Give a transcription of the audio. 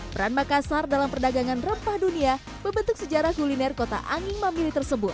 peran makassar dalam perdagangan rempah dunia membentuk sejarah kuliner kota angin mamili tersebut